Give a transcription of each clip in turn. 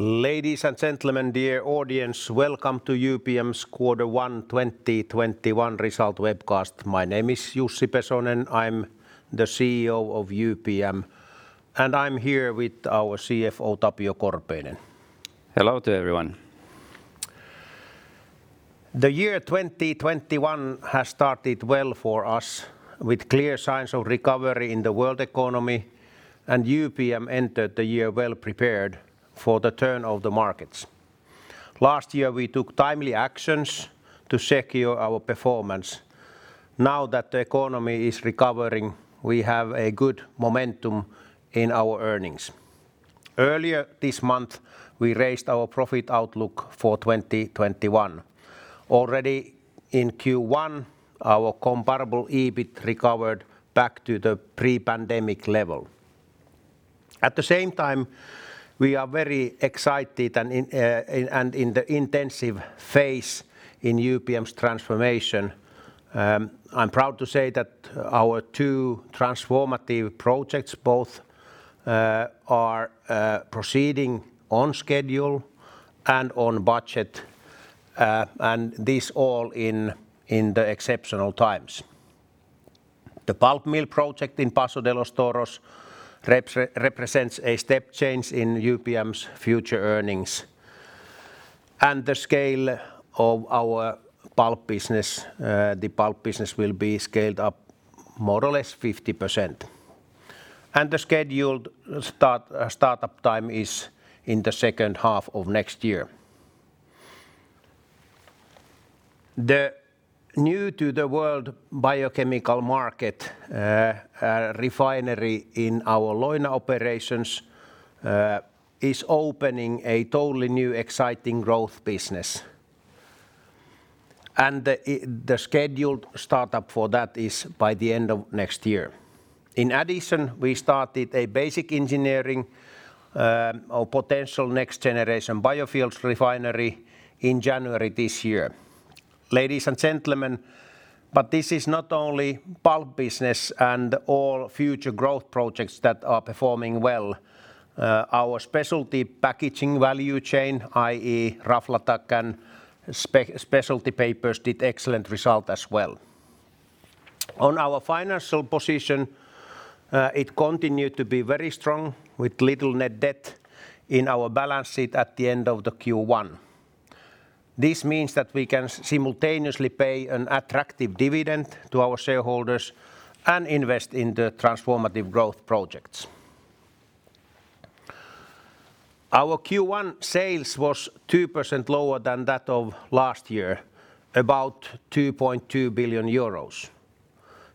Ladies and gentlemen, dear audience, welcome to UPM's Quarter One 2021 Result webcast. My name is Jussi Pesonen, I'm the CEO of UPM, and I'm here with our CFO, Tapio Korpeinen. Hello to everyone. The year 2021 has started well for us with clear signs of recovery in the world economy, and UPM entered the year well prepared for the turn of the markets. Last year, we took timely actions to secure our performance. Now that the economy is recovering, we have a good momentum in our earnings. Earlier this month, we raised our profit outlook for 2021. Already in Q1, our comparable EBIT recovered back to the pre-pandemic level. At the same time, we are very excited and in the intensive phase in UPM's transformation. I'm proud to say that our two transformative projects both are proceeding on schedule and on budget, and this all in the exceptional times. The pulp mill project in Paso de los Toros represents a step change in UPM's future earnings. The scale of our pulp business, the pulp business will be scaled up more or less 50%. The scheduled startup time is in the second half of next year. The new to the world biochemicals biorefinery in our Leuna operations is opening a totally new, exciting growth business. The scheduled startup for that is by the end of next year. In addition, we started a basic engineering of potential next-generation biofuels refinery in January this year. Ladies and gentlemen, this is not only pulp business and all future growth projects that are performing well. Our specialty packaging value chain, i.e. Raflatac and Specialty Papers, did excellent result as well. On our financial position, it continued to be very strong with little net debt in our balance sheet at the end of the Q1. This means that we can simultaneously pay an attractive dividend to our shareholders and invest in the transformative growth projects. Our Q1 sales was 2% lower than that of last year, about 2.2 billion euros.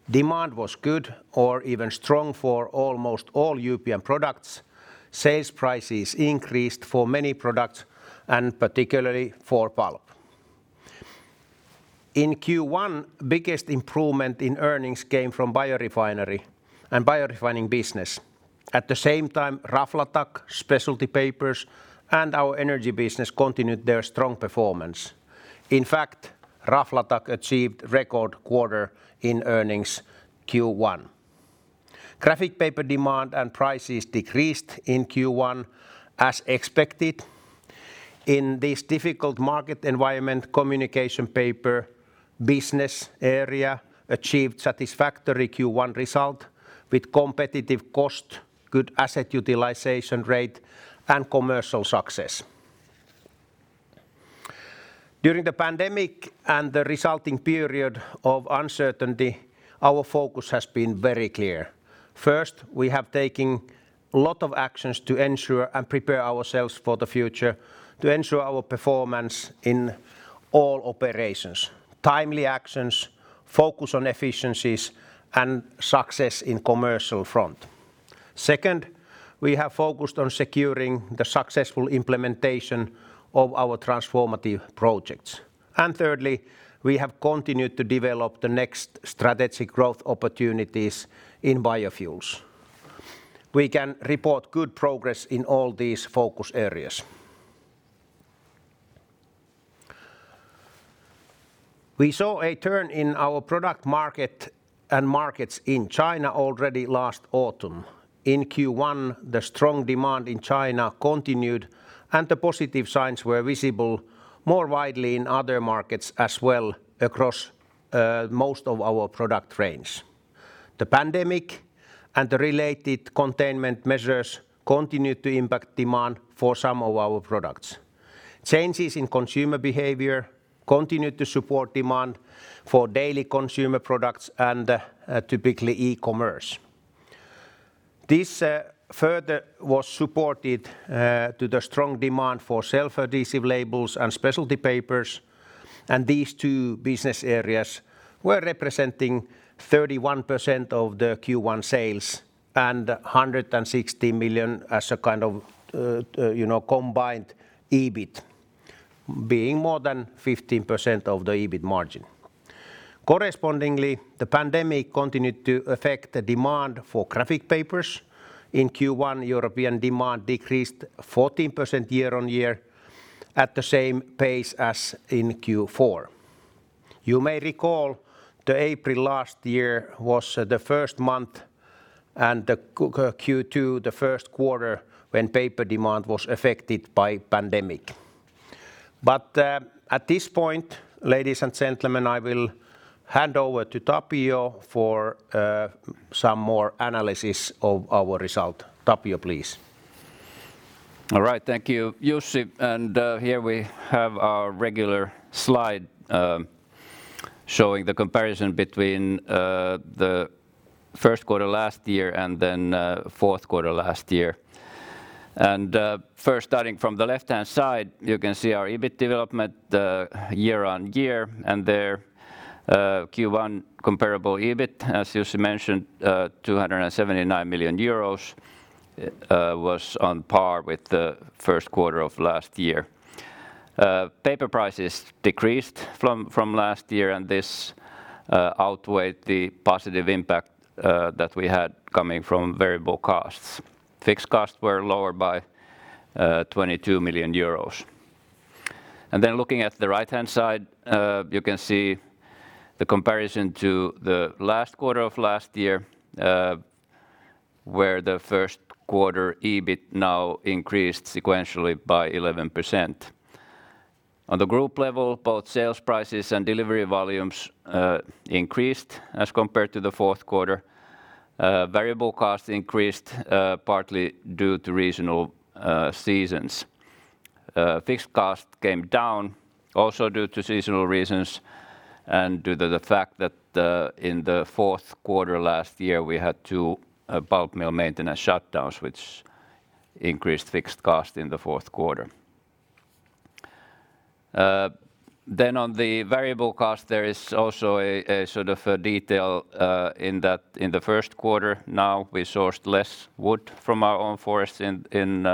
Demand was good or even strong for almost all UPM products. Sales prices increased for many products and particularly for pulp. In Q1, biggest improvement in earnings came from biorefinery and biorefining business. At the same time, Raflatac, Specialty Papers, and our energy business continued their strong performance. In fact, Raflatac achieved record quarter in earnings Q1. Graphic paper demand and prices decreased in Q1 as expected. In this difficult market environment, Communication Papers business area achieved satisfactory Q1 result with competitive cost, good asset utilization rate, and commercial success. During the pandemic and the resulting period of uncertainty, our focus has been very clear. First, we have taken a lot of actions to ensure and prepare ourselves for the future to ensure our performance in all operations, timely actions, focus on efficiencies, and success in commercial front. Second, we have focused on securing the successful implementation of our transformative projects. Thirdly, we have continued to develop the next strategic growth opportunities in biofuels. We can report good progress in all these focus areas. We saw a turn in our product market and markets in China already last autumn. In Q1, the strong demand in China continued, and the positive signs were visible more widely in other markets as well across most of our product range. The pandemic and the related containment measures continued to impact demand for some of our products. Changes in consumer behavior continued to support demand for daily consumer products and typically e-commerce. This further was supported to the strong demand for self-adhesive labels and Specialty Papers, and these two business areas were representing 31% of the Q1 sales and 160 million as a kind of combined EBIT, being more than 15% of the EBIT margin. Correspondingly, the pandemic continued to affect the demand for graphic papers. In Q1, European demand decreased 14% year-on-year at the same pace as in Q4. You may recall that April last year was the first month, and Q2 the first quarter, when paper demand was affected by pandemic. At this point, ladies and gentlemen, I will hand over to Tapio for some more analysis of our result. Tapio, please. All right. Thank you, Jussi. Here we have our regular slide showing the comparison between the first quarter last year and fourth quarter last year. First, starting from the left-hand side, you can see our EBIT development year-on-year, and there Q1 comparable EBIT, as Jussi mentioned, 279 million euros was on par with the first quarter of last year. Paper prices decreased from last year, and this outweighed the positive impact that we had coming from variable costs. Fixed costs were lower by 22 million euros. Looking at the right-hand side, you can see the comparison to the last quarter of last year, where the first quarter EBIT now increased sequentially by 11%. On the group level, both sales prices and delivery volumes increased as compared to the fourth quarter. Variable costs increased partly due to regional seasons. Fixed costs came down also due to seasonal reasons and due to the fact that in the fourth quarter last year, we had two pulp mill maintenance shutdowns, which increased fixed costs in the fourth quarter. On the variable cost, there is also a detail in that in the first quarter now we sourced less wood from our own forests in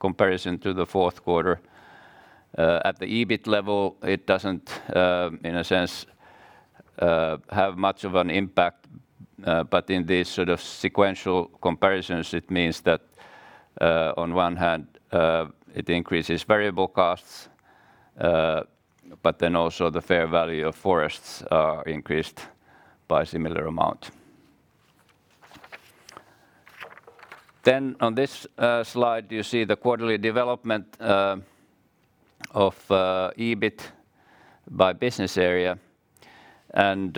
comparison to the fourth quarter. At the EBIT level, it doesn't, in a sense, have much of an impact, in these sort of sequential comparisons, it means that on one hand, it increases variable costs, but then also the fair value of forests are increased by a similar amount. On this slide, you see the quarterly development of EBIT by business area, and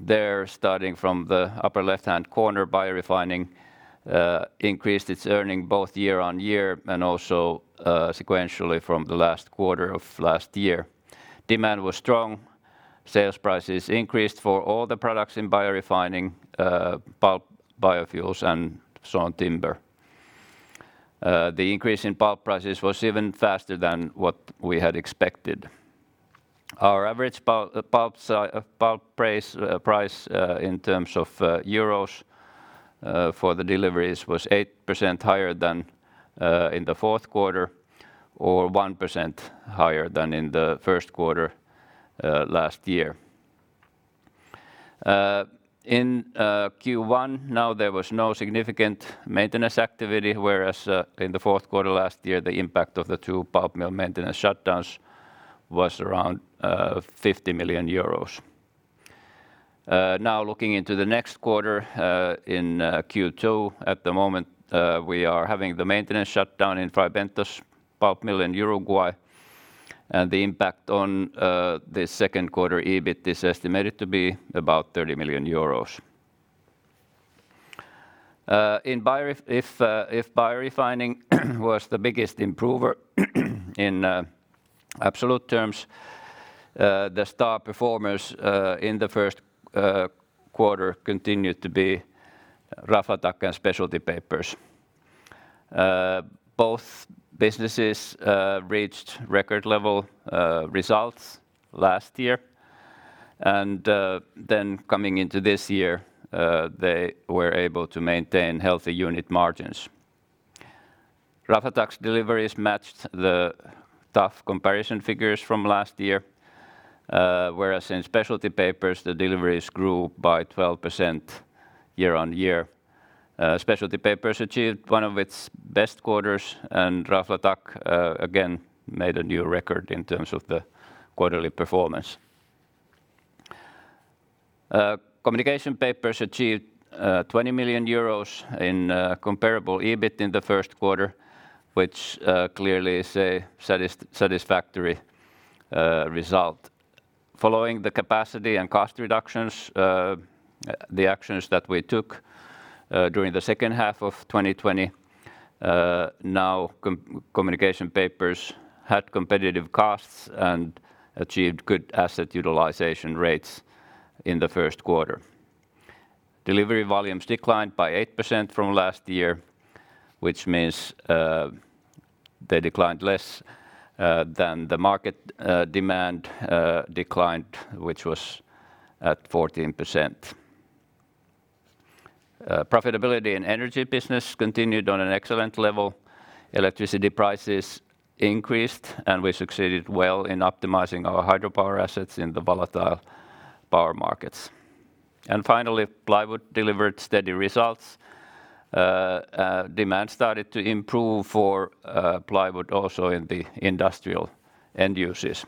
there, starting from the upper left-hand corner, biorefining increased its earning both year-on-year and also sequentially from the last quarter of last year. Demand was strong. Sales prices increased for all the products in biorefining, pulp, biofuels, and sawn timber. The increase in pulp prices was even faster than what we had expected. Our average pulp price in terms of euros for the deliveries was 8% higher than in the fourth quarter or 1% higher than in the first quarter last year. In Q1 now there was no significant maintenance activity, whereas in the fourth quarter last year, the impact of the two pulp mill maintenance shutdowns was around 50 million euros. Now looking into the next quarter, in Q2, at the moment, we are having the maintenance shutdown in Fray Bentos pulp mill in Uruguay, and the impact on the second quarter EBIT is estimated to be about 30 million euros. If biorefining was the biggest improver in absolute terms, the star performers in the first quarter continued to be Raflatac and Specialty Papers. Both businesses reached record-level results last year, and then coming into this year, they were able to maintain healthy unit margins. Raflatac deliveries matched the tough comparison figures from last year, whereas in Specialty Papers, the deliveries grew by 12% year-on-year. Specialty Papers achieved one of its best quarters, and Raflatac again made a new record in terms of the quarterly performance. Communication Papers achieved 20 million euros in comparable EBIT in the first quarter, which clearly is a satisfactory result. Following the capacity and cost reductions, the actions that we took during the second half of 2020, Communication Papers had competitive costs and achieved good asset utilization rates in the first quarter. Delivery volumes declined by 8% from last year, which means they declined less than the market demand declined, which was at 14%. Profitability in energy business continued on an excellent level. Electricity prices increased, and we succeeded well in optimizing our hydropower assets in the volatile power markets. Finally, Plywood delivered steady results. Demand started to improve for Plywood also in the industrial end uses.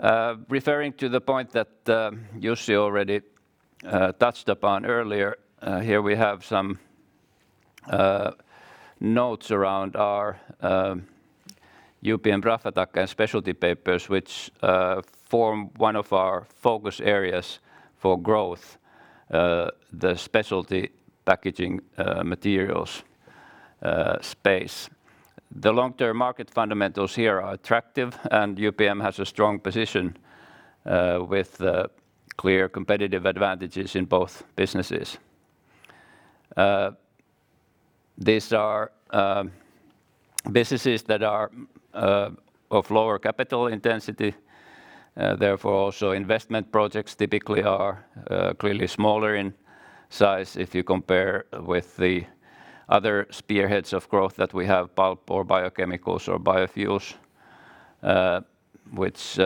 Referring to the point that Jussi already touched upon earlier, here we have some notes around our UPM Raflatac and Specialty Papers which form one of our focus areas for growth, the specialty packaging materials space. The long-term market fundamentals here are attractive. UPM has a strong position with clear competitive advantages in both businesses. These are businesses that are of lower capital intensity, therefore also investment projects typically are clearly smaller in size if you compare with the other Spearheads of Growth that we have, Pulp or Biochemicals or Biofuels, which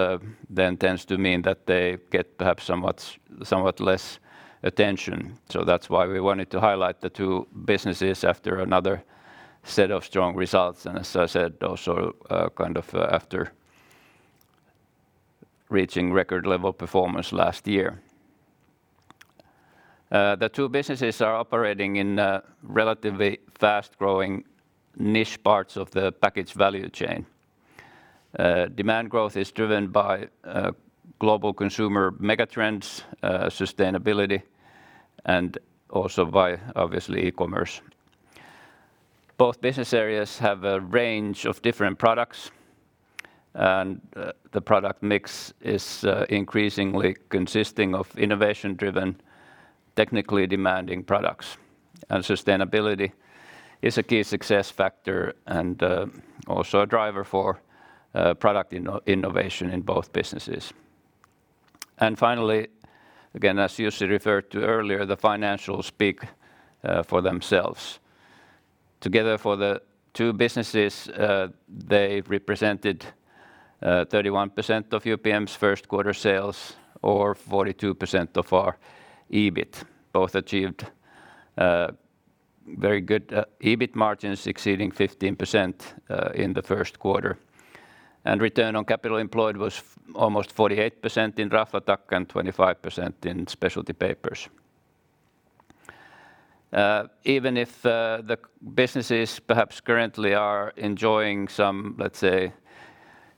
then tends to mean that they get perhaps somewhat less attention. That's why we wanted to highlight the two businesses after another set of strong results. As I said, also after reaching record level performance last year. The two businesses are operating in relatively fast-growing niche parts of the package value chain. Demand growth is driven by global consumer mega trends, sustainability, and also by obviously e-commerce. Both business areas have a range of different products. The product mix is increasingly consisting of innovation-driven, technically demanding products. Sustainability is a key success factor and also a driver for product innovation in both businesses. Finally, again as Jussi referred to earlier, the financials speak for themselves. Together for the two businesses, they represented 31% of UPM's first quarter sales or 42% of our EBIT. Both achieved very good EBIT margins exceeding 15% in the first quarter. Return on capital employed was almost 48% in Raflatac and 25% in Specialty Papers. Even if the businesses perhaps currently are enjoying some, let's say,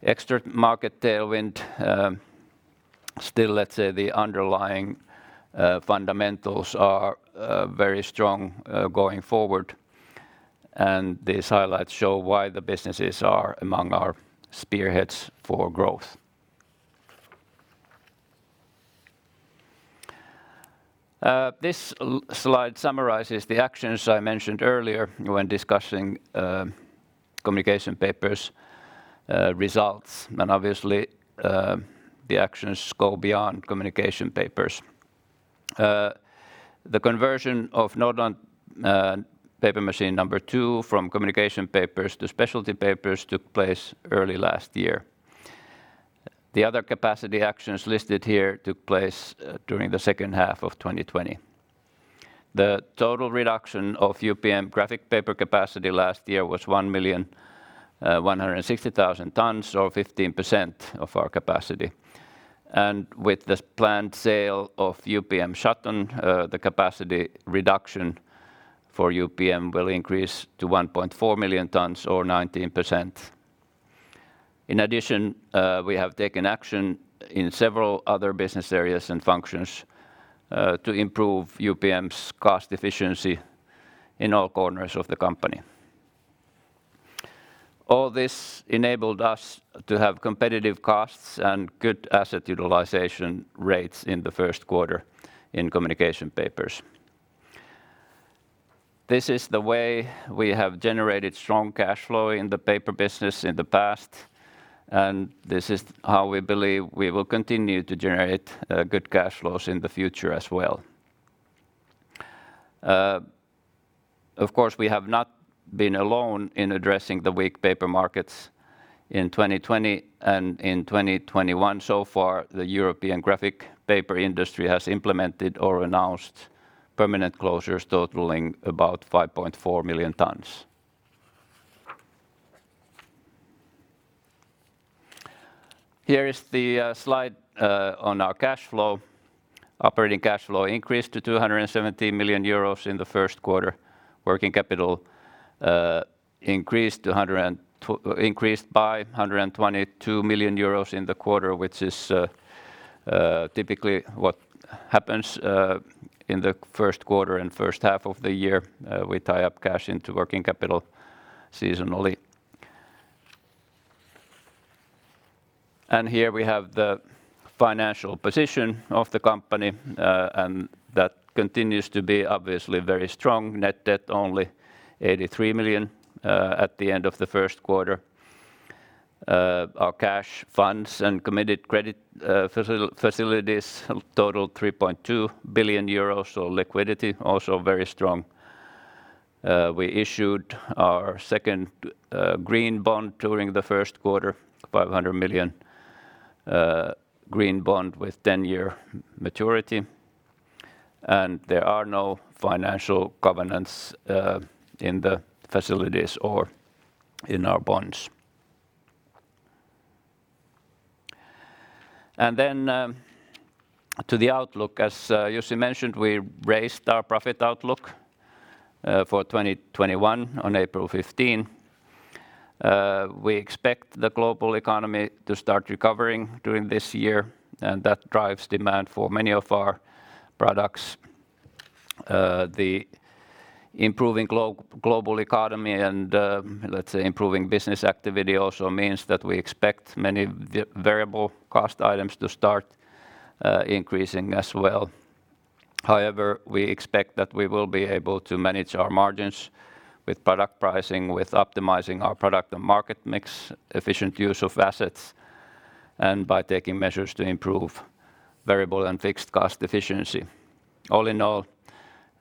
extra market tailwind, still the underlying fundamentals are very strong going forward, and these highlights show why the businesses are among our spearheads for growth. This slide summarizes the actions I mentioned earlier when discussing Communication Papers results, and obviously the actions go beyond Communication Papers. The conversion of Nordland paper machine number two from Communication Papers to Specialty Papers took place early last year. The other capacity actions listed here took place during the second half of 2020. The total reduction of UPM graphic paper capacity last year was 1,160,000 tons or 15% of our capacity. With the planned sale of UPM Shotton, the capacity reduction for UPM will increase to 1.4 million tons or 19%. In addition, we have taken action in several other business areas and functions to improve UPM's cost efficiency in all corners of the company. All this enabled us to have competitive costs and good asset utilization rates in the first quarter in Communication Papers. This is the way we have generated strong cash flow in the paper business in the past, and this is how we believe we will continue to generate good cash flows in the future as well. We have not been alone in addressing the weak paper markets in 2020 and in 2021. The European graphic paper industry has implemented or announced permanent closures totaling about 5.4 million tons. Here is the slide on our cash flow. Operating cash flow increased to 270 million euros in the first quarter. Working capital increased by 122 million euros in the quarter, which is typically what happens in the first quarter and first half of the year. We tie up cash into working capital seasonally. Here we have the financial position of the company, that continues to be obviously very strong. Net debt only 83 million at the end of the first quarter. Our cash funds and committed credit facilities total 3.2 billion euros, liquidity also very strong. We issued our second green bond during the first quarter, 500 million green bond with 10-year maturity. There are no financial covenants in the facilities or in our bonds. To the outlook, as Jussi mentioned, we raised our profit outlook for 2021 on April 15. We expect the global economy to start recovering during this year, and that drives demand for many of our products. The improving global economy and, let's say, improving business activity also means that we expect many variable cost items to start increasing as well. We expect that we will be able to manage our margins with product pricing, with optimizing our product and market mix, efficient use of assets, and by taking measures to improve variable and fixed cost efficiency.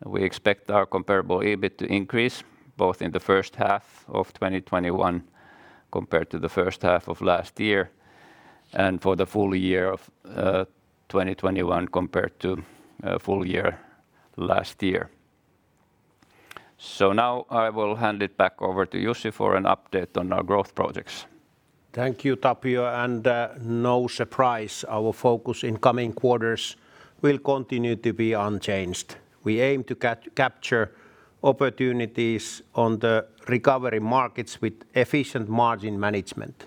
We expect our comparable EBIT to increase both in the first half of 2021 compared to the first half of last year and for the full year of 2021 compared to full year last year. Now I will hand it back over to Jussi for an update on our growth projects. Thank you, Tapio. No surprise, our focus in coming quarters will continue to be unchanged. We aim to capture opportunities on the recovery markets with efficient margin management.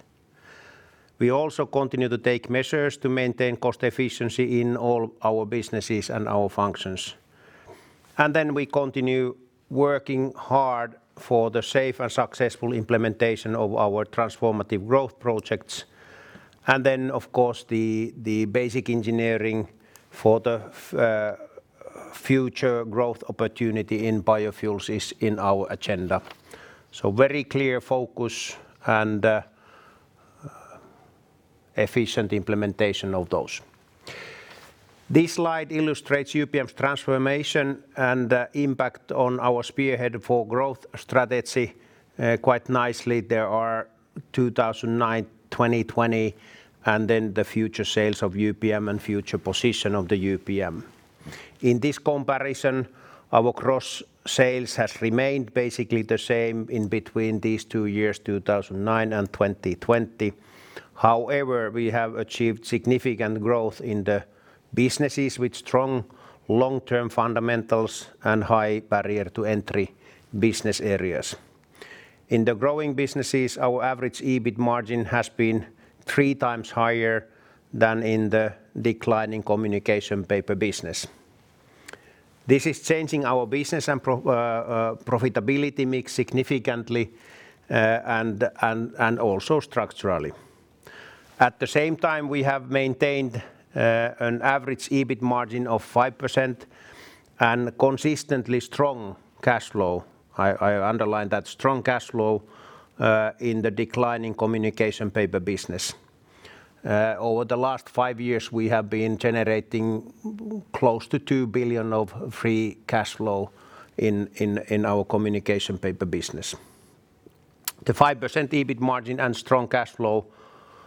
We also continue to take measures to maintain cost efficiency in all our businesses and our functions. We continue working hard for the safe and successful implementation of our transformative growth projects. Of course, the basic engineering for the future growth opportunity in biofuels is in our agenda. Very clear focus and efficient implementation of those. This slide illustrates UPM's transformation and impact on our spearhead for growth strategy quite nicely. There are 2009, 2020, the future sales of UPM and future position of the UPM. In this comparison, our gross sales has remained basically the same in between these two years, 2009 and 2020. We have achieved significant growth in the businesses with strong long-term fundamentals and high barrier to entry business areas. In the growing businesses, our average EBIT margin has been three times higher than in the declining Communication Paper business. This is changing our business and profitability mix significantly and also structurally. At the same time, we have maintained an average EBIT margin of 5% and consistently strong cash flow. I underline that strong cash flow in the declining Communication Paper business. Over the last five years, we have been generating close to 2 billion of free cash flow in our Communication Paper business. The 5% EBIT margin and strong cash flow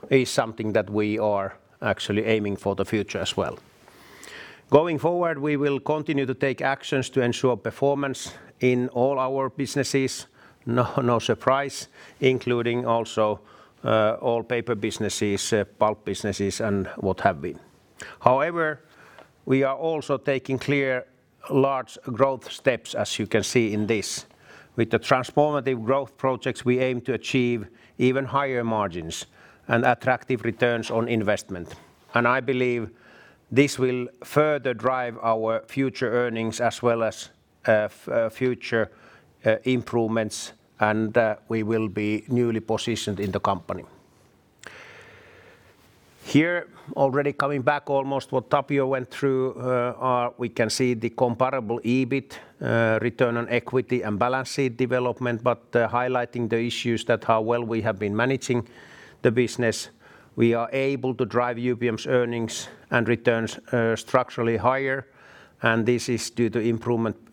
is something that we are actually aiming for the future as well. Going forward, we will continue to take actions to ensure performance in all our businesses, no surprise, including also all paper businesses, pulp businesses, and what have been. We are also taking clear large growth steps, as you can see in this. With the transformative growth projects, we aim to achieve even higher margins and attractive returns on investment. I believe this will further drive our future earnings as well as future improvements, and we will be newly positioned in the company. Here, already coming back almost what Tapio went through, we can see the comparable EBIT return on equity and balance sheet development, but highlighting the issues that how well we have been managing the business. We are able to drive UPM's earnings and returns structurally higher, and this is due to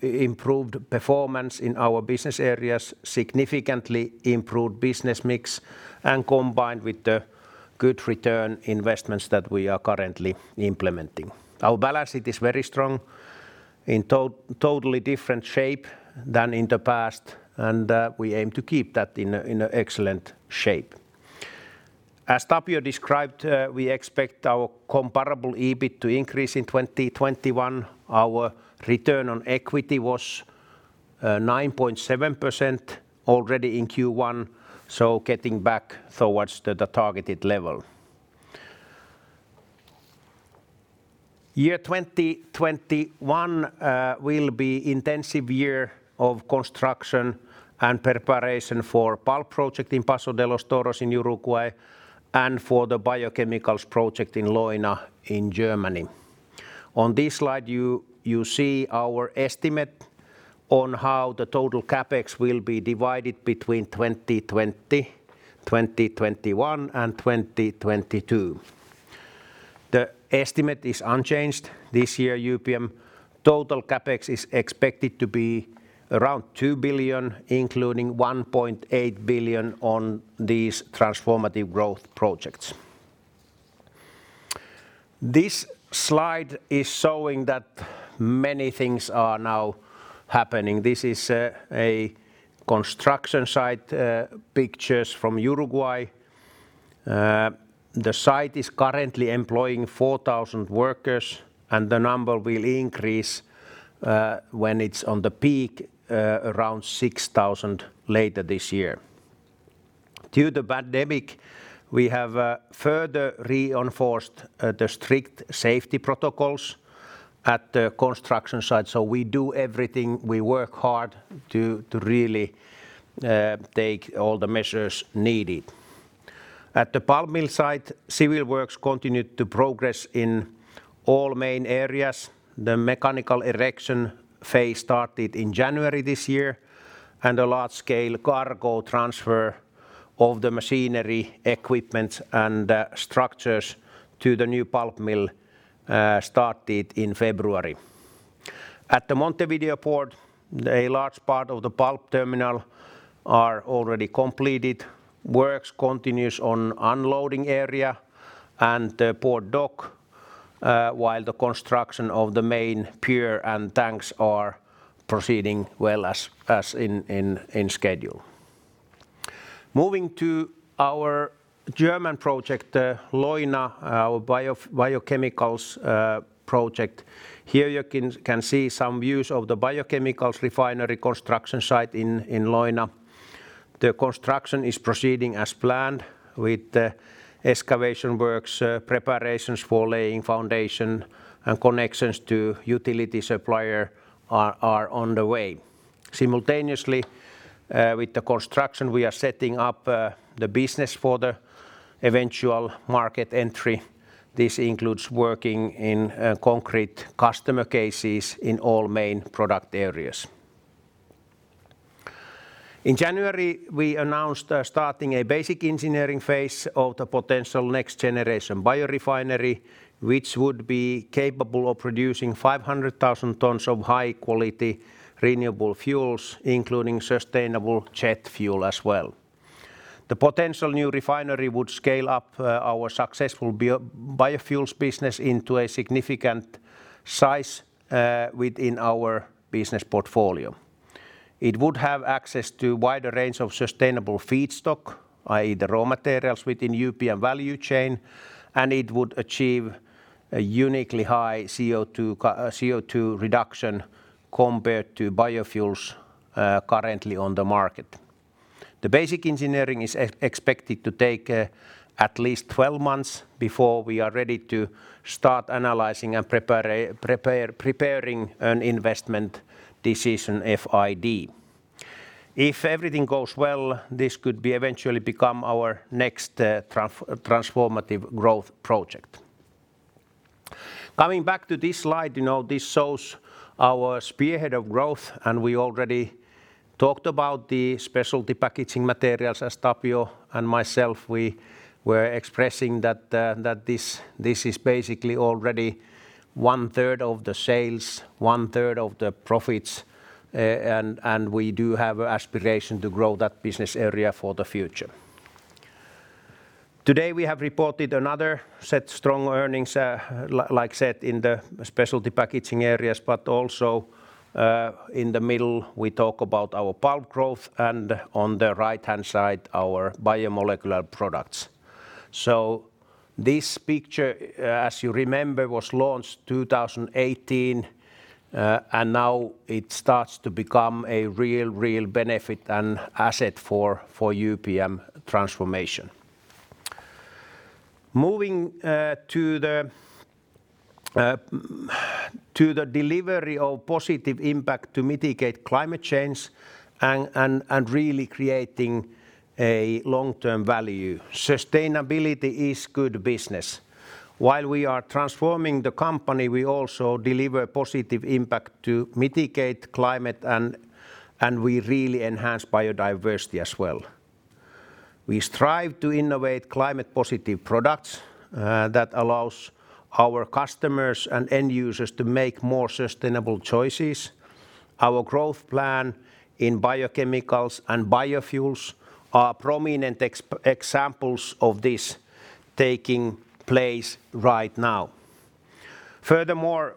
improved performance in our business areas, significantly improved business mix, and combined with the good return investments that we are currently implementing. Our balance sheet is very strong, in totally different shape than in the past, and we aim to keep that in excellent shape. As Tapio described, we expect our comparable EBIT to increase in 2021. Our return on equity was 9.7% already in Q1, so getting back towards the targeted level. Year 2021 will be intensive year of construction and preparation for pulp project in Paso de los Toros in Uruguay and for the biochemicals project in Leuna in Germany. On this slide, you see our estimate on how the total CapEx will be divided between 2020, 2021, and 2022. The estimate is unchanged. This year, UPM total CapEx is expected to be around 2 billion, including 1.8 billion on these transformative growth projects. This slide is showing that many things are now happening. These are construction site pictures from Uruguay. The site is currently employing 4,000 workers, and the number will increase when it's on the peak around 6,000 later this year. Due to pandemic, we have further reinforced the strict safety protocols at the construction site. We do everything. We work hard to really take all the measures needed. At the pulp mill site, civil works continued to progress in all main areas. The mechanical erection phase started in January this year, and a large-scale cargo transfer of the machinery, equipment, and structures to the new pulp mill started in February. At the Montevideo port, a large part of the pulp terminal are already completed. Works continues on unloading area and the port dock, while the construction of the main pier and tanks are proceeding well as in schedule. Moving to our German project, Leuna, our biochemicals project. Here you can see some views of the biochemicals refinery construction site in Leuna. The construction is proceeding as planned, with excavation works, preparations for laying foundation, and connections to utility supplier are on the way. Simultaneously, with the construction, we are setting up the business for the eventual market entry. This includes working in concrete customer cases in all main product areas. In January, we announced starting a basic engineering phase of the potential next-generation biorefinery, which would be capable of producing 500,000 tons of high-quality renewable fuels, including sustainable jet fuel as well. The potential new refinery would scale up our successful biofuels business into a significant size within our business portfolio. It would have access to wider range of sustainable feedstock, i.e. the raw materials within UPM value chain, and it would achieve a uniquely high CO2 reduction compared to biofuels currently on the market. The basic engineering is expected to take at least 12 months before we are ready to start analyzing and preparing an investment decision FID. If everything goes well, this could eventually become our next transformative growth project. Coming back to this slide, this shows our spearhead for growth, and we already talked about the specialty packaging materials as Tapio and myself, we were expressing that this is basically already one-third of the sales, one-third of the profits, and we do have aspiration to grow that business area for the future. Today, we have reported another set strong earnings, like I said, in the specialty packaging areas, but also in the middle, we talk about our pulp growth, and on the right-hand side, our biomolecular products. This picture, as you remember, was launched 2018, and now it starts to become a real benefit and asset for UPM transformation. Moving to the delivery of positive impact to mitigate climate change and really creating a long-term value. Sustainability is good business. While we are transforming the company, we also deliver positive impact to mitigate climate, and we really enhance biodiversity as well. We strive to innovate climate positive products that allows our customers and end users to make more sustainable choices. Our growth plan in biochemicals and biofuels are prominent examples of this taking place right now.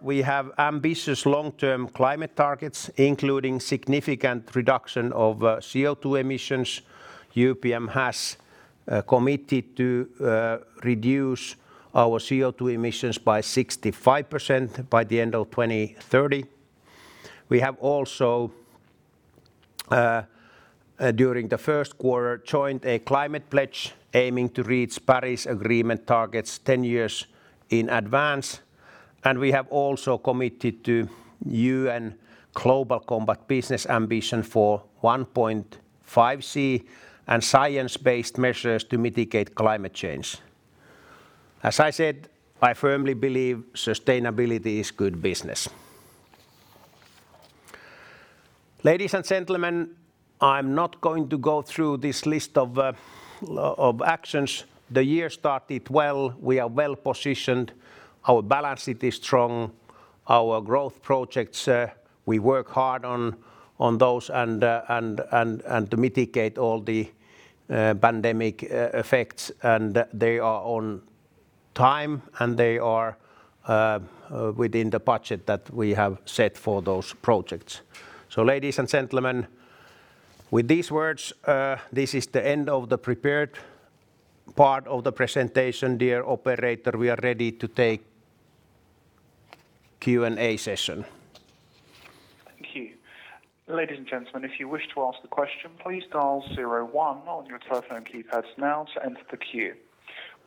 We have ambitious long-term climate targets, including significant reduction of CO2 emissions. UPM has committed to reduce our CO2 emissions by 65% by the end of 2030. We have also, during the first quarter, joined a climate pledge aiming to reach Paris Agreement targets 10 years in advance. We have also committed to UN Global Compact Business Ambition for 1.5 C, and science-based measures to mitigate climate change. As I said, I firmly believe sustainability is good business. Ladies and gentlemen, I'm not going to go through this list of actions. The year started well. We are well-positioned. Our balance sheet is strong. Our growth projects, we work hard on those and to mitigate all the pandemic effects. They are on time, and they are within the budget that we have set for those projects. Ladies and gentlemen, with these words, this is the end of the prepared part of the presentation. Dear operator, we are ready to take Q&A session. Thank you. Ladies and gentlemen, if you wish to ask a question, please dial zero one on your telephone keypads now to enter the queue.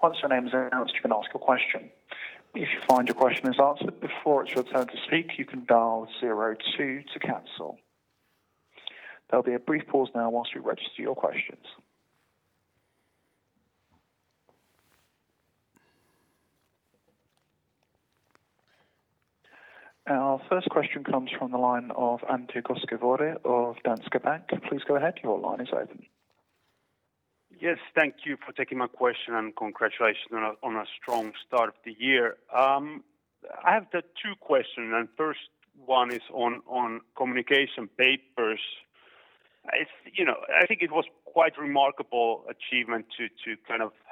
Once your name is announced, you can ask a question. If you find your question is answered before it's your turn to speak, you can dial zero two to cancel. There'll be a brief pause now whilst we register your questions. Our first question comes from the line of Antti Koskivuori of Danske Bank. Please go ahead. Your line is open. Yes, thank you for taking my question. Congratulations on a strong start of the year. I have the two question. First one is on UPM Communication Papers. I think it was quite remarkable achievement to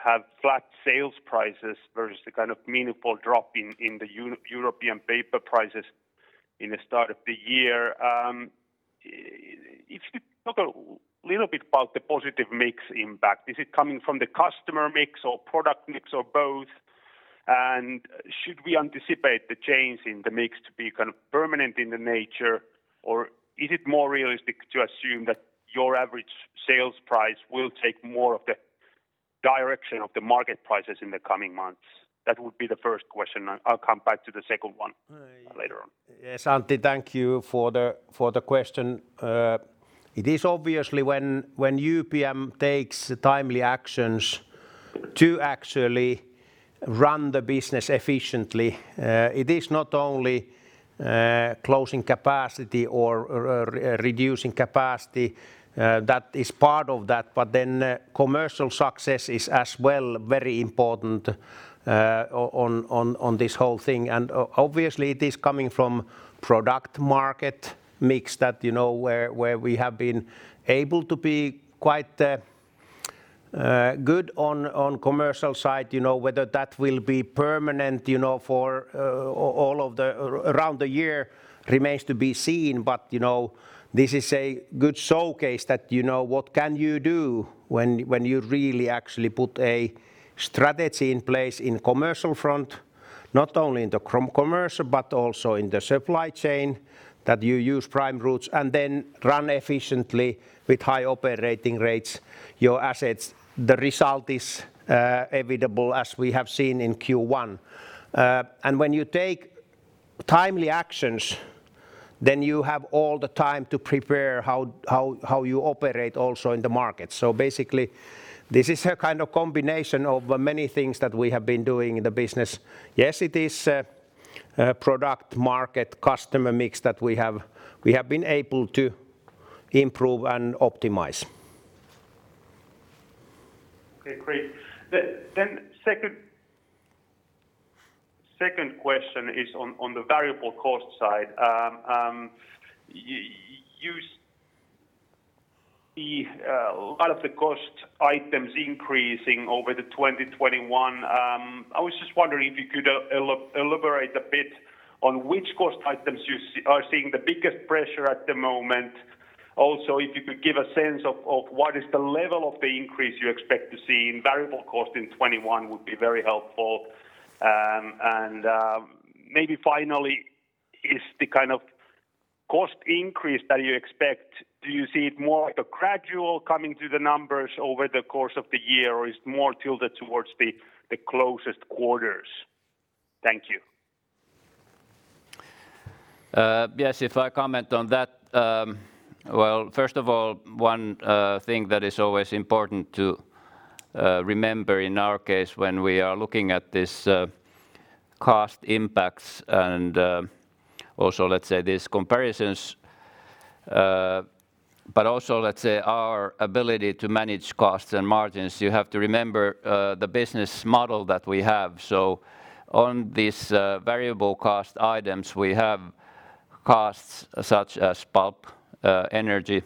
have flat sales prices versus the meaningful drop in the European paper prices in the start of the year. If you talk a little bit about the positive mix impact, is it coming from the customer mix or product mix or both? Should we anticipate the change in the mix to be permanent in nature, or is it more realistic to assume that your average sales price will take more of the direction of the market prices in the coming months? That would be the first question. I'll come back to the second one later on. Yes, Antti, thank you for the question. It is obviously when UPM takes timely actions to actually run the business efficiently it is not only closing capacity or reducing capacity that is part of that, commercial success is as well very important on this whole thing. Obviously it is coming from product market mix where we have been able to be quite good on commercial side. Whether that will be permanent for all of the around the year remains to be seen. This is a good showcase that what can you do when you really actually put a strategy in place in commercial front, not only in the commercial but also in the supply chain, that you use prime routes and run efficiently with high operating rates your assets. The result is evident as we have seen in Q1. When you take timely actions, you have all the time to prepare how you operate also in the market. Basically, this is a kind of combination of many things that we have been doing in the business. Yes, it is a product market customer mix that we have been able to improve and optimize. Okay, great. Second question is on the variable cost side. You see a lot of the cost items increasing over the 2021. I was just wondering if you could elaborate a bit on which cost items you are seeing the biggest pressure at the moment. If you could give a sense of what is the level of the increase you expect to see in variable cost in 2021 would be very helpful. Maybe finally, is the kind of cost increase that you expect, do you see it more like a gradual coming to the numbers over the course of the year, or is it more tilted towards the closest quarters? Thank you. Yes, if I comment on that. First of all, one thing that is always important to remember in our case when we are looking at this cost impacts and also, let's say these comparisons, but also, let's say our ability to manage costs and margins, you have to remember the business model that we have. On these variable cost items, we have costs such as pulp, energy,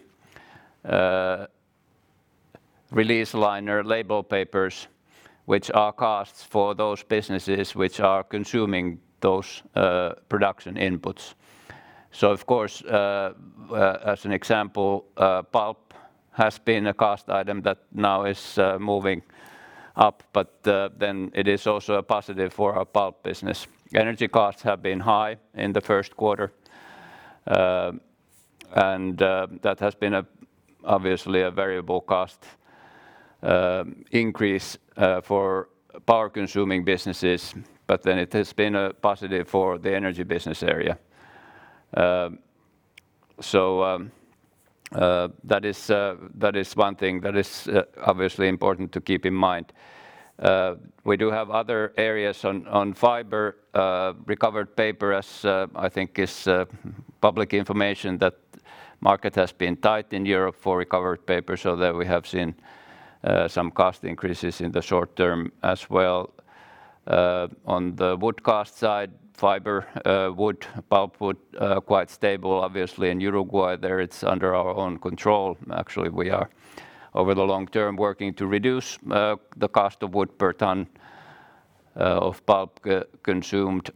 release liner, label papers, which are costs for those businesses which are consuming those production inputs. Of course, as an example, pulp has been a cost item that now is moving up, but then it is also a positive for our pulp business. Energy costs have been high in the first quarter, and that has been obviously a variable cost increase for power-consuming businesses, but then it has been a positive for the energy business area. That is one thing that is obviously important to keep in mind. We do have other areas on fiber, recovered paper, as I think is public information, that market has been tight in Europe for recovered paper, there we have seen some cost increases in the short term as well. On the wood cost side, fiber wood, pulp wood, quite stable, obviously, in Uruguay. There it's under our own control. Actually, we are, over the long term, working to reduce the cost of wood per ton of pulp consumed.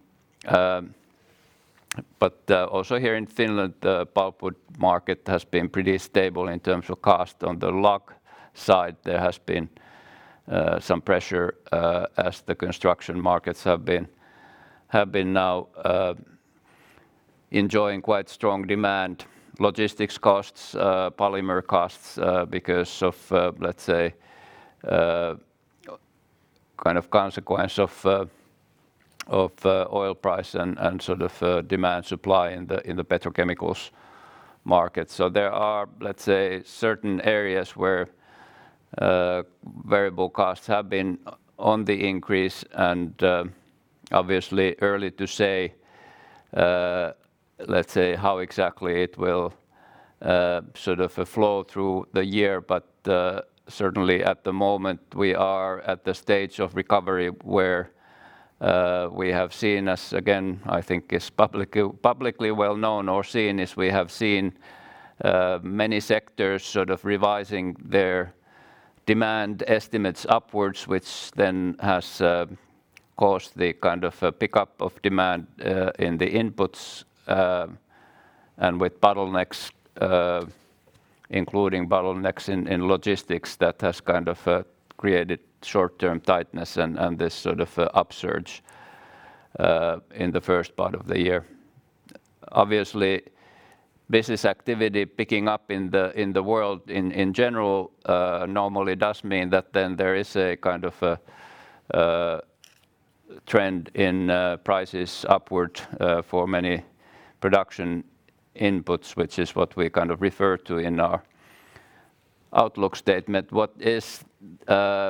Also here in Finland, the pulp wood market has been pretty stable in terms of cost. On the log side, there has been some pressure as the construction markets have been now enjoying quite strong demand. Logistics costs, polymer costs because of, let's say, kind of consequence of oil price and sort of demand supply in the petrochemicals market, there are, let's say, certain areas where variable costs have been on the increase and obviously early to say, let's say how exactly it will sort of flow through the year. Certainly, at the moment, we are at the stage of recovery where we have seen as, again, I think is publicly well known or seen, is we have seen many sectors sort of revising their demand estimates upwards, which then has caused the kind of pickup of demand in the inputs, and with bottlenecks, including bottlenecks in logistics that has kind of created short-term tightness and this sort of upsurge in the first part of the year. Obviously, business activity picking up in the world in general normally does mean that then there is a kind of a trend in prices upward for many production inputs, which is what we kind of refer to in our outlook statement. What is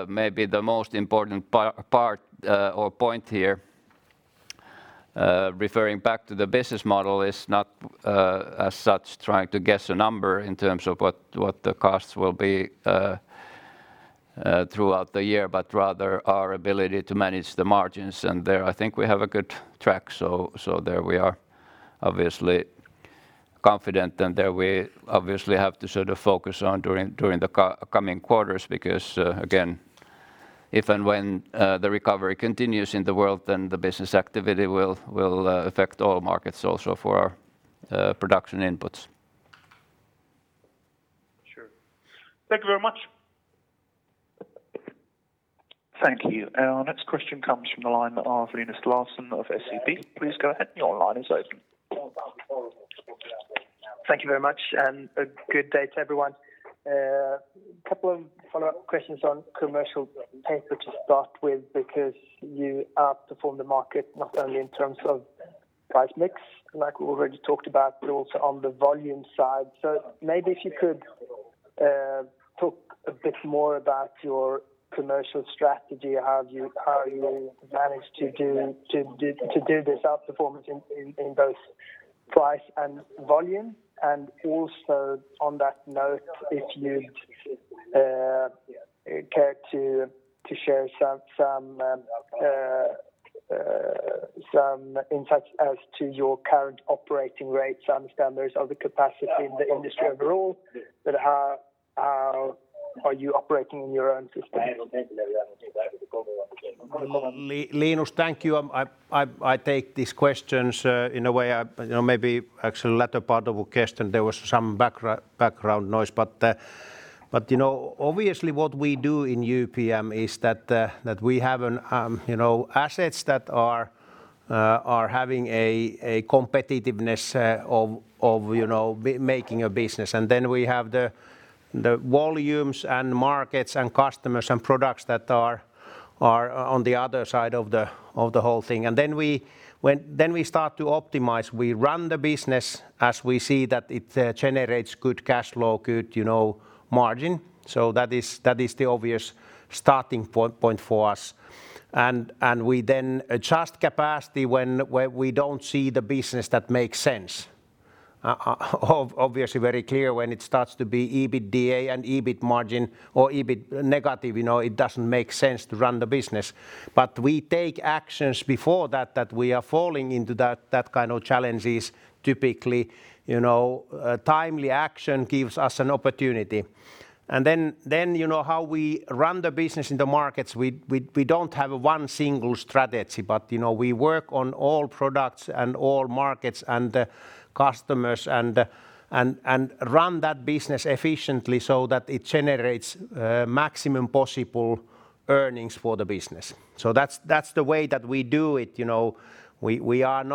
maybe the most important part or point here, referring back to the business model, is not as such trying to guess a number in terms of what the costs will be throughout the year, but rather our ability to manage the margins. There, I think we have a good track, so there we are obviously confident, and there we obviously have to sort of focus on during the coming quarters because, again, if and when the recovery continues in the world, then the business activity will affect all markets also for our production inputs. Sure. Thank you very much. Thank you. Our next question comes from the line of Linus Larsson of SEB. Thank you very much, and a good day to everyone. A couple of follow-up questions on Communication Papers to start with, because you outperformed the market not only in terms of price mix, like we already talked about, but also on the volume side. Maybe if you could talk a bit more about your commercial strategy. How have you managed to do this outperformance in both price and volume? Also on that note, if you'd care to share some insight as to your current operating rates. I understand there is other capacity in the industry overall, but how are you operating in your own system? Linus, thank you. I take these questions in a way, maybe actually latter part of question, there was some background noise. Obviously what we do in UPM is that we have assets that are having a competitiveness of making a business. Then we have the volumes and markets and customers and products that are on the other side of the whole thing. Then we start to optimize. We run the business as we see that it generates good cash flow, good margin. That is the obvious starting point for us. We then adjust capacity when we don't see the business that makes sense. Obviously very clear when it starts to be EBITDA and EBIT margin or EBIT negative, it doesn't make sense to run the business. We take actions before that we are falling into that kind of challenges. Typically, timely action gives us an opportunity. How we run the business in the markets, we don't have one single strategy, but we work on all products and all markets and customers and run that business efficiently so that it generates maximum possible earnings for the business. That's the way that we do it. We have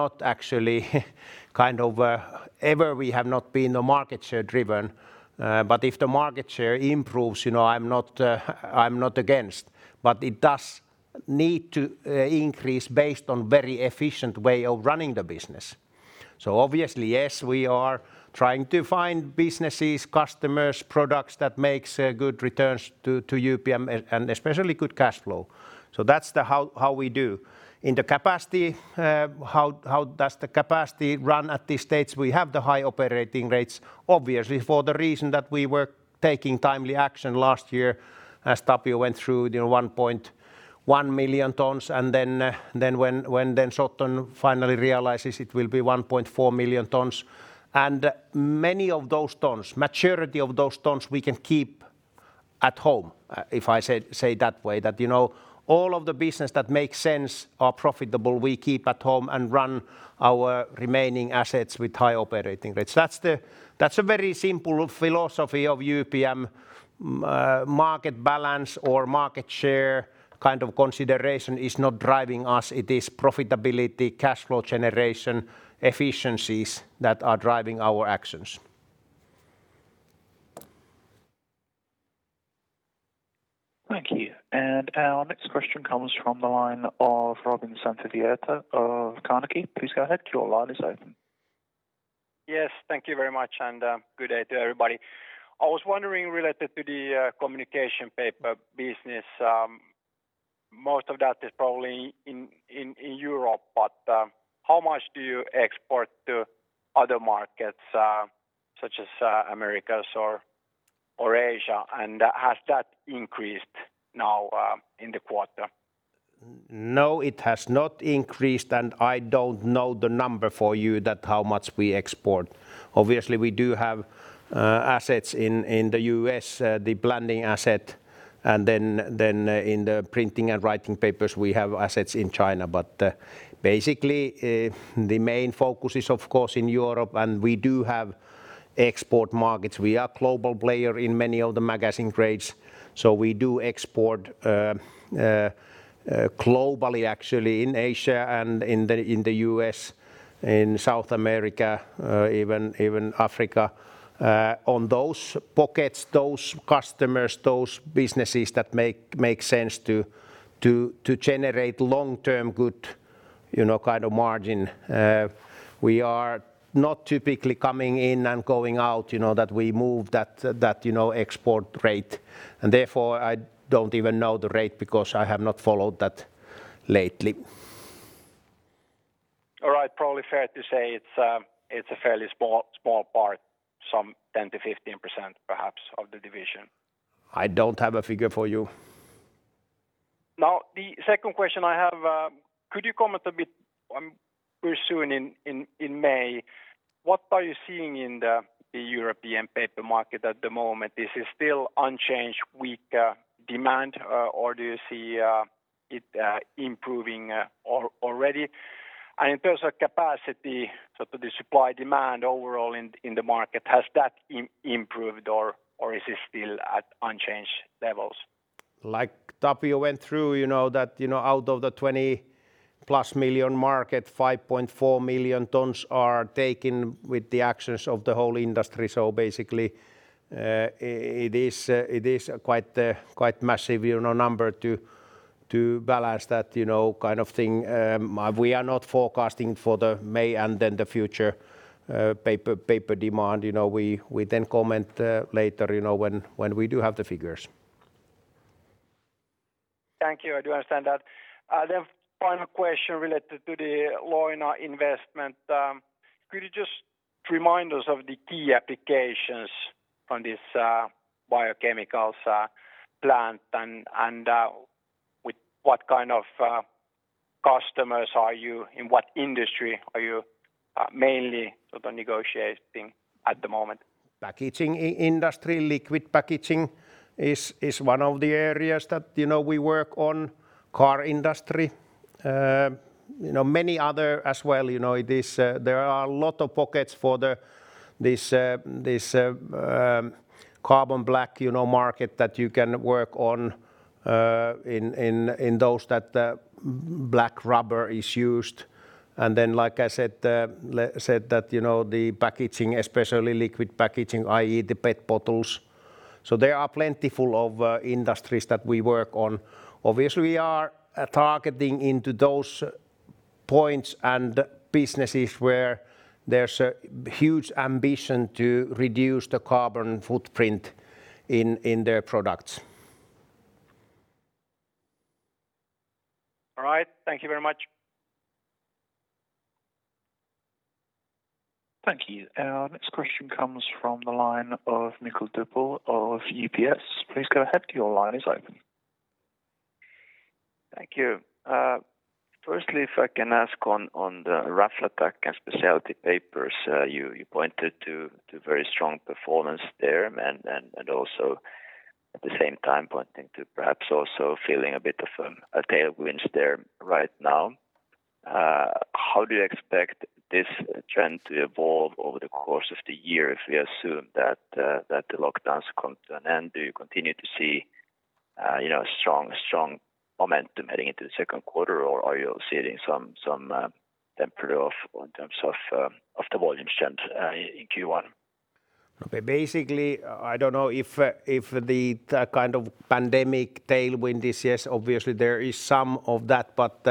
not been market share driven, but if the market share improves, I'm not against it. It does need to increase based on very efficient way of running the business. Obviously, yes, we are trying to find businesses, customers, products that makes good returns to UPM, and especially good cash flow. That's how we do. In the capacity, how does the capacity run at these stages? We have the high operating rates, obviously, for the reason that we were taking timely action last year as Tapio went through the 1.1 million tons, and then when UPM Shotton finally realizes, it will be 1.4 million tons. Many of those tons, majority of those tons we can keep at home, if I say it that way. That all of the business that makes sense are profitable, we keep at home and run our remaining assets with high operating rates. That's a very simple philosophy of UPM. Market balance or market share kind of consideration is not driving us. It is profitability, cash flow generation, efficiencies that are driving our actions. Thank you. Our next question comes from the line of Robin Santavirta of Carnegie. Please go ahead. Your line is open. Yes, thank you very much, and good day to everybody. I was wondering, related to the communication paper business, most of that is probably in Europe, but how much do you export to other markets, such as Americas or Asia, and has that increased now in the quarter? No, it has not increased, and I don't know the number for you that how much we export. Obviously, we do have assets in the U.S., the Blandin asset, then in the printing and writing papers, we have assets in China. Basically, the main focus is of course in Europe, and we do have export markets. We are a global player in many of the magazine grades, we do export globally, actually, in Asia and in the U.S., in South America, even Africa, on those pockets, those customers, those businesses that make sense to generate long-term good kind of margin. We are not typically coming in and going out, that we move that export rate. Therefore, I don't even know the rate because I have not followed that lately. All right. Probably fair to say it's a fairly small part, some 10%-15%, perhaps, of the division. I don't have a figure for you. The second question I have, could you comment a bit on, pretty soon in May, what are you seeing in the European paper market at the moment? Is it still unchanged, weak demand, or do you see it improving already? In terms of capacity, so to the supply-demand overall in the market, has that improved or is it still at unchanged levels? Like Tapio went through, that out of the 20+ million tons market, 5.4 million tons are taken with the actions of the whole industry. Basically, it is a quite massive number to balance that kind of thing. We are not forecasting for the May and then the future paper demand. We comment later when we do have the figures. Thank you. I do understand that. Final question related to the Leuna investment. Could you just remind us of the key applications on this biochemicals plant, and with what kind of customers are you, in what industry are you mainly sort of negotiating at the moment? Packaging industry, liquid packaging is one of the areas that we work on. Car industry. Many other as well. There are a lot of pockets for this carbon black market that you can work on in those that black rubber is used. Then, like I said, that the packaging, especially liquid packaging, i.e., the PET bottles. There are plentiful of industries that we work on. Obviously, we are targeting into those points and businesses where there's a huge ambition to reduce the carbon footprint in their products. All right. Thank you very much. Thank you. Our next question comes from the line of Mikael Doepel of UBS. Please go ahead. Your line is open. Thank you. Firstly, if I can ask on the Raflatac and Specialty Papers, you pointed to very strong performance there, and also at the same time pointing to perhaps also feeling a bit of a tailwind there right now. How do you expect this trend to evolve over the course of the year if we assume that the lockdowns come to an end? Do you continue to see strong momentum heading into the second quarter, or are you seeing some tempering off in terms of the volumes trend in Q1? Basically, I don't know if the kind of pandemic tailwind is. Yes, obviously there is some of that, but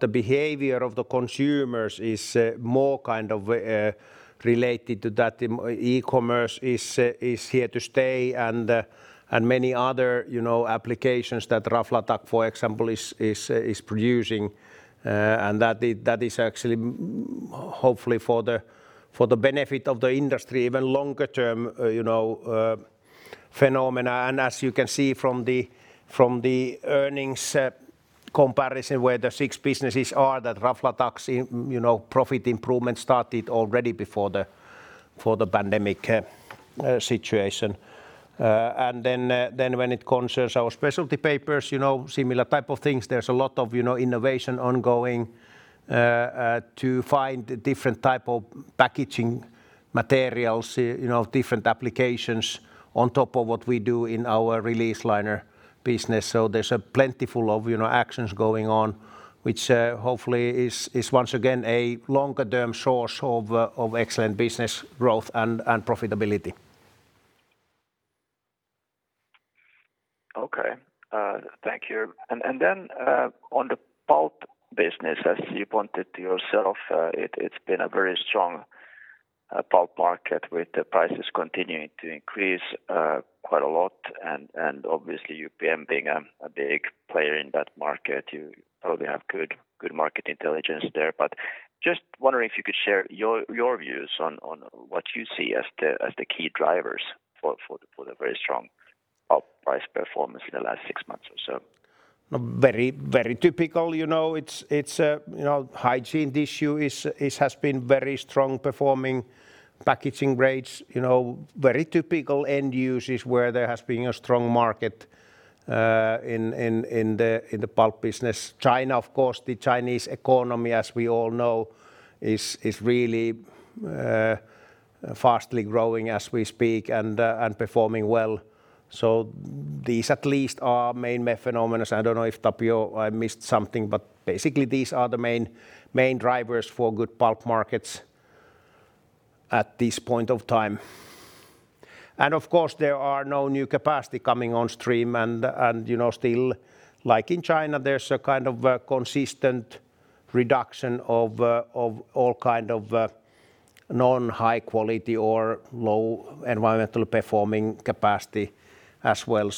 the behavior of the consumers is more kind of related to that. E-commerce is here to stay, and many other applications that Raflatac, for example, is producing, and that is actually hopefully for the benefit of the industry, even longer term phenomena. As you can see from the earnings comparison where the six businesses are, that Raflatac's profit improvement started already before the pandemic situation. When it concerns our Specialty Papers, similar type of things. There's a lot of innovation ongoing to find different type of packaging materials, different applications on top of what we do in our release liner business. There's a plentiful of actions going on, which hopefully is once again, a longer-term source of excellent business growth and profitability. Okay. Thank you. On the pulp business, as you pointed yourself, it's been a very strong pulp market with the prices continuing to increase quite a lot, and obviously UPM being a big player in that market, you probably have good market intelligence there. Just wondering if you could share your views on what you see as the key drivers for the very strong pulp price performance in the last six months or so. Very typical. Hygiene tissue has been very strong performing, packaging grades, very typical end uses where there has been a strong market in the pulp business. China, of course, the Chinese economy, as we all know, is really fastly growing as we speak and performing well. These at least are main phenomena. I don't know if, Tapio, I missed something, but basically these are the main drivers for good pulp markets at this point of time. Of course, there are no new capacity coming on stream, and still, like in China, there's a kind of consistent reduction of all kind of non-high quality or low environmental performing capacity as well.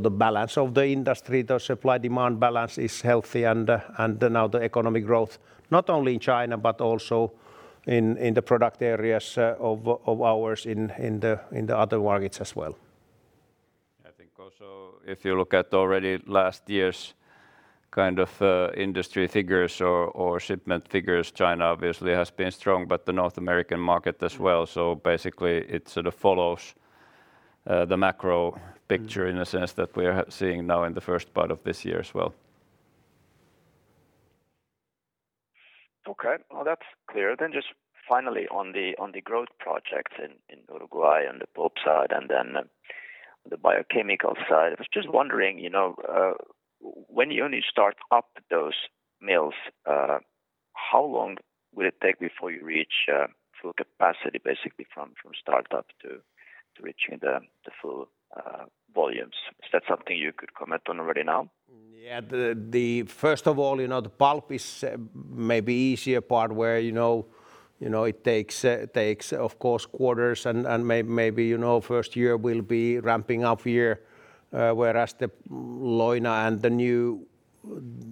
The balance of the industry, the supply-demand balance is healthy and now the economic growth, not only in China, but also in the product areas of ours in the other markets as well. I think also if you look at already last year's industry figures or shipment figures, China obviously has been strong, but the North American market as well. Basically, it sort of follows the macro picture in a sense that we are seeing now in the first part of this year as well. Okay. Well, that's clear. Just finally on the growth projects in Uruguay on the pulp side and then the biochemical side. I was just wondering, when you only start up those mills, how long will it take before you reach full capacity, basically from startup to reaching the full volumes? Is that something you could comment on already now? Yeah. First of all, the pulp is maybe easier part where it takes, of course, quarters and maybe first year will be ramping up year. Whereas the Leuna and the new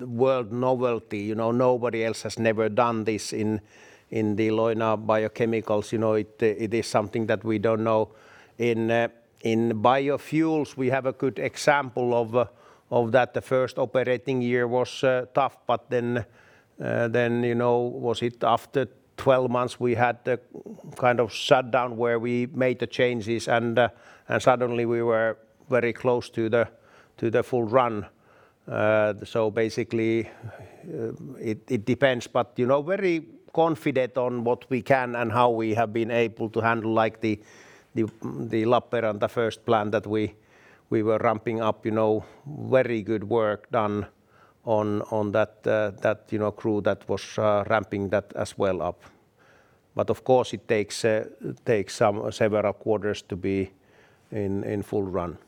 world novelty, nobody else has never done this in the Leuna biochemicals. It is something that we don't know. In biofuels, we have a good example of that. The first operating year was tough, but then, was it after 12 months, we had the kind of shutdown where we made the changes and suddenly we were very close to the full run. Basically, it depends, but very confident on what we can and how we have been able to handle like the Lappeenranta first plant that we were ramping up. Very good work done on that crew that was ramping that as well up. Of course, it takes several quarters to be in full run.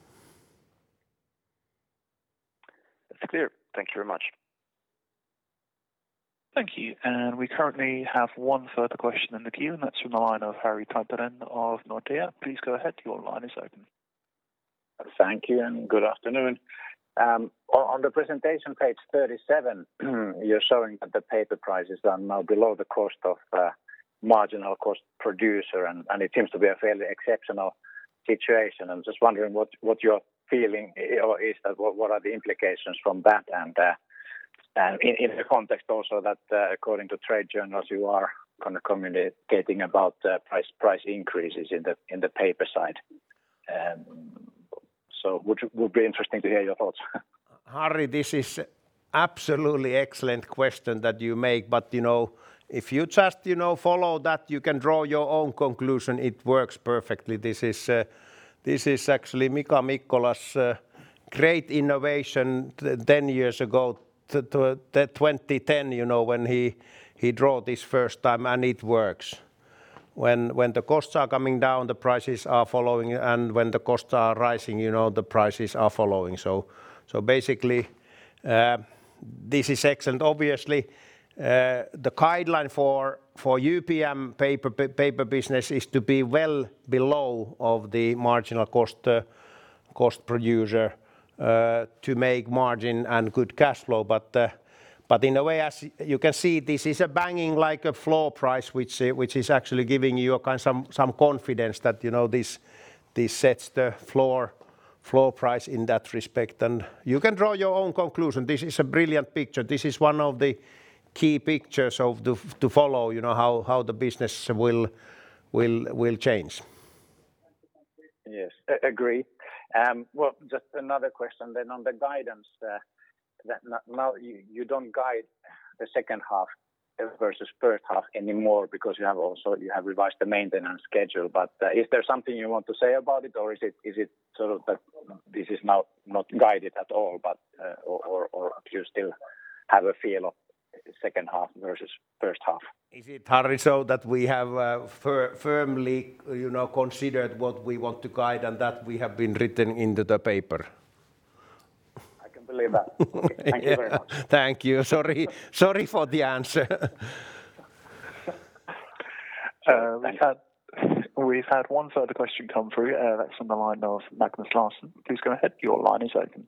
It's clear. Thank you very much. Thank you. We currently have one further question in the queue, that's from the line of Harri Taittonen of Nordea. Please go ahead. Your line is open. Thank you and good afternoon. On the presentation, page 37, you're showing that the paper price is now below the cost of marginal cost producer, and it seems to be a fairly exceptional situation. I'm just wondering what your feeling is, what are the implications from that, and in the context also that according to trade journals, you are kind of communicating about price increases in the paper side? It would be interesting to hear your thoughts. Harri, this is absolutely excellent question that you make. If you just follow that, you can draw your own conclusion. It works perfectly. This is actually Mika Mikkola's great innovation 10 years ago, 2010, when he draw this first time. It works. When the costs are coming down, the prices are following. When the costs are rising, the prices are following. Basically, this is excellent. Obviously, the guideline for UPM paper business is to be well below of the marginal cost producer, to make margin and good cash flow. In a way, as you can see, this is banging like a floor price, which is actually giving you some confidence that this sets the floor price in that respect. You can draw your own conclusion. This is a brilliant picture. This is one of the key pictures to follow, how the business will change. Yes, agree. Well, just another question on the guidance, that now you don't guide the second half versus first half anymore because you have revised the maintenance schedule. Is there something you want to say about it, or is it sort of that this is now not guided at all? Do you still have a feel of second half versus first half? Is it, Harri, so that we have firmly considered what we want to guide and that we have been written into the paper? I can believe that. Thank you very much. Thank you. Sorry for the answer. We've had one further question come through. That's on the line of Linus Larsson. Please go ahead. Your line is open.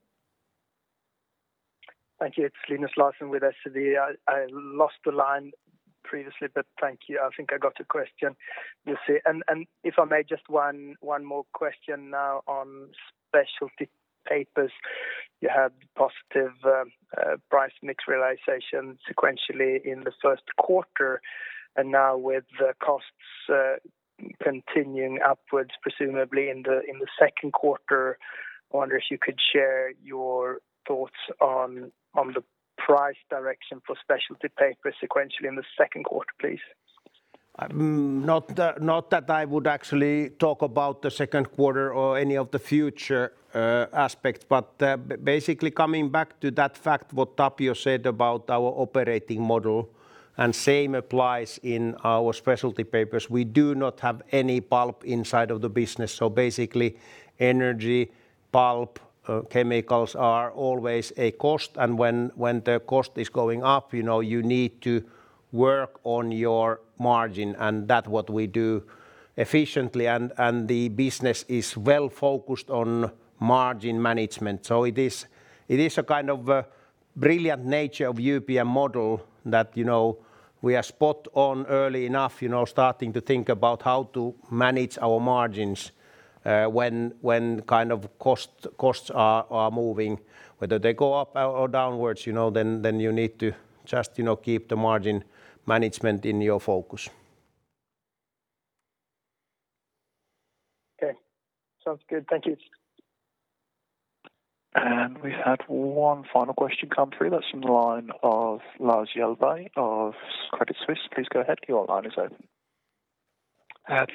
Thank you. It's Linus Larsson with SEB. I lost the line previously. Thank you. I think I got a question. If I may, just one more question now on Specialty Papers. You had positive price mix realization sequentially in the first quarter, now with the costs continuing upwards, presumably in the second quarter, I wonder if you could share your thoughts on the price direction for Specialty Papers sequentially in the second quarter, please. Not that I would actually talk about the second quarter or any of the future aspects, but basically coming back to that fact what Tapio said about our operating model, and same applies in our Specialty Papers. We do not have any pulp inside of the business, so basically energy pulp chemicals are always a cost, and when the cost is going up, you need to work on your margin, and that's what we do efficiently, and the business is well-focused on margin management. It is a kind of a brilliant nature of UPM model that we are spot on early enough, starting to think about how to manage our margins when costs are moving, whether they go up or downwards, then you need to just keep the margin management in your focus. Okay. Sounds good. Thank you. We've had one final question come through. That's from the line of Lars Kjellberg of Credit Suisse. Please go ahead. Your line is open.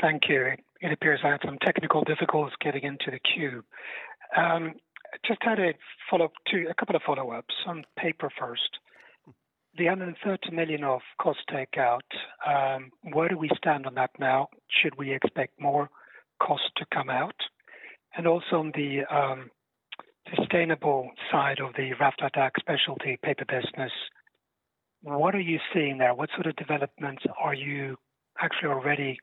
Thank you. It appears I had some technical difficulties getting into the queue. Just had a couple of follow-ups on paper first. The 130 million of cost takeout, where do we stand on that now? Should we expect more cost to come out? Also on the sustainable side of the Raflatac specialty paper business, what are you seeing there? What sort of developments are you actually already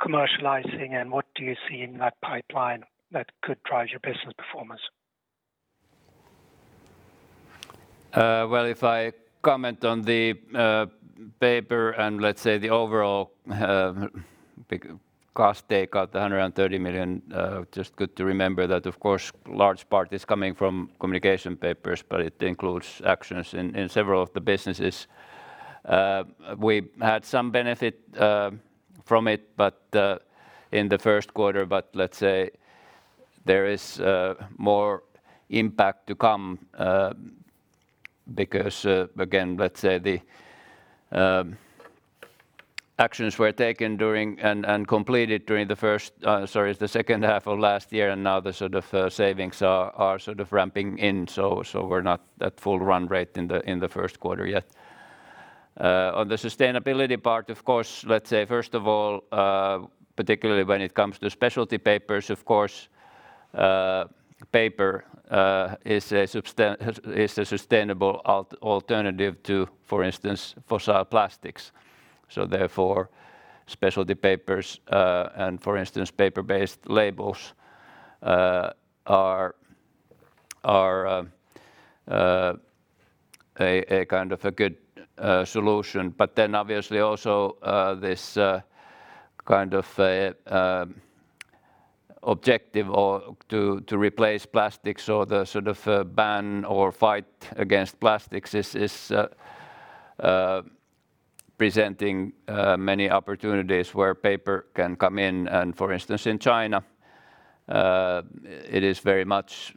commercializing, and what do you see in that pipeline that could drive your business performance? Well, if I comment on the paper and let's say the overall big cost takeout, the 130 million, just good to remember that of course large part is coming from UPM Communication Papers, but it includes actions in several of the businesses. We had some benefit from it, but in the first quarter, but let's say there is more impact to come, because again, let's say the actions were taken and completed during the second half of last year, and now the sort of savings are sort of ramping in, so we're not at full run rate in the first quarter yet. On the sustainability part, of course, let's say first of all, particularly when it comes to UPM Specialty Papers, of course, paper is a sustainable alternative to, for instance, fossil plastics. Therefore, UPM Specialty Papers, and for instance, paper-based labels are a kind of a good solution. Obviously also this kind of objective to replace plastics or the sort of ban or fight against plastics is presenting many opportunities where paper can come in. For instance, in China, it is very much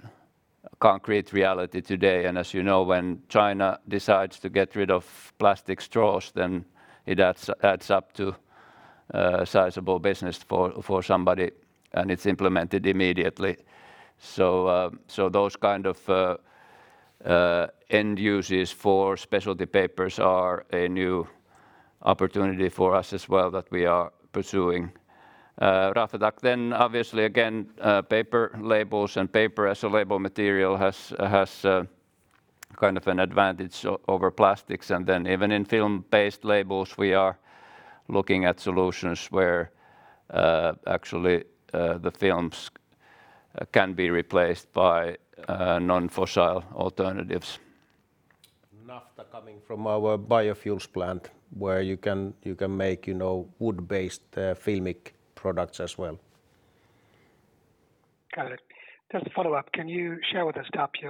concrete reality today. As you know, when China decides to get rid of plastic straws, then it adds up to a sizable business for somebody, and it's implemented immediately. Those kind of end uses for specialty papers are a new opportunity for us as well that we are pursuing. Raflatac, obviously again, paper labels and paper as a label material has kind of an advantage over plastics. Even in film-based labels, we are looking at solutions where actually, the films can be replaced by non-fossil alternatives. Naphtha coming from our biofuels plant, where you can make wood-based filmic products as well. Got it. Just a follow-up, can you share with us, Tapio,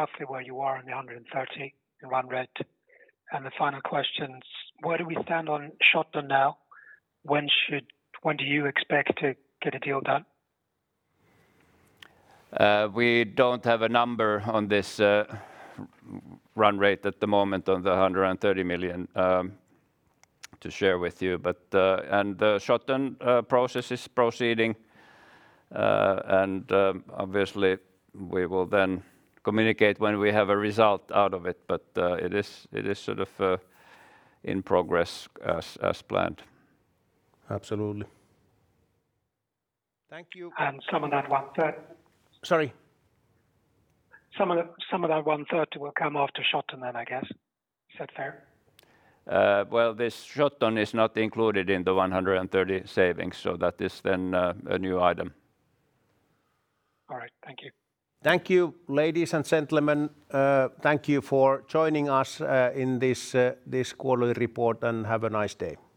roughly where you are on the 130 million run rate? The final question, where do we stand on Shotton now? When do you expect to get a deal done? We don't have a number on this run rate at the moment on the 130 million to share with you. The Shotton process is proceeding, and obviously we will then communicate when we have a result out of it. It is sort of in progress as planned. Absolutely. Thank you. Some of that 130 million. Sorry. Some of that 130 million will come after Shotton then, I guess. Is that fair? This UPM Shotton is not included in the 130 million savings. That is a new item. All right. Thank you. Thank you, ladies and gentlemen. Thank you for joining us in this quarterly report, and have a nice day.